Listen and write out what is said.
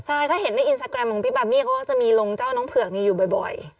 ใช่ถ้าเห็นในอินสตาแกรมของพี่บามี่เขาก็จะมีลงเจ้าน้องเผือกนี้อยู่บ่อย